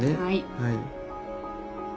はい。